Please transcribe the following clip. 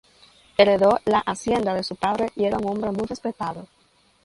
Heredó la hacienda de su padre y era un hombre muy respetado.